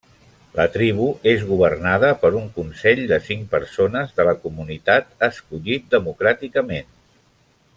La tribu és governada per un consell de cinc persones de la comunitat escollit democràticament.